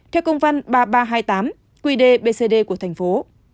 theo công văn ba nghìn ba trăm hai mươi tám quy đề bcd của thành phố